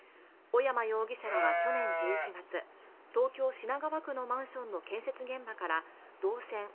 小山容疑者らは去年１１月東京・品川区のマンションの建設現場から銅線